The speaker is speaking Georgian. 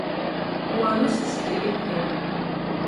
გუანოს სქელი ფენა.